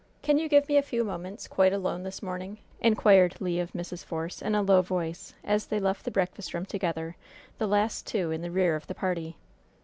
Can you give me a few moments, quite alone, this morning?" inquired Le of Mrs. Force, in a low voice, as they left the breakfast room together, the last two in the rear of the party.